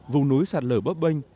vùng núi sạt lở bóp bênh